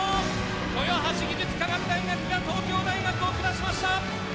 豊橋技術科学大学が東京大学を下しました！